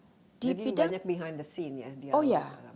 jadi banyak behind the scene ya di asean